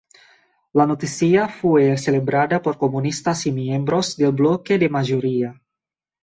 La noticia fue celebrada por comunistas y miembros del bloque de mayoría.